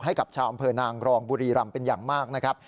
ให้กับชาวอำเภอนางรองบุรีรำเป็นอย่างมากนะครับ